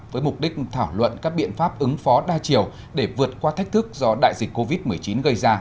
với mục đích thảo luận các biện pháp ứng phó đa chiều để vượt qua thách thức do đại dịch covid một mươi chín gây ra